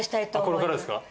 あっこれからですか？